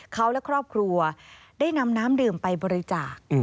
เขาและครอบครัวได้นำน้ำดื่มไปบริจาค